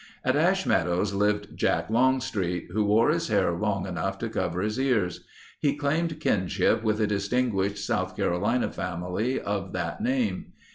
At Ash Meadows lived Jack Longstreet, who wore his hair long enough to cover his ears. He claimed kinship with the distinguished South Carolina family of that name.